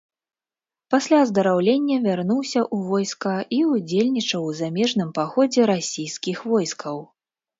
Пасля аздараўлення вярнуўся ў войска і ўдзельнічаў у замежным паходзе расійскіх войскаў.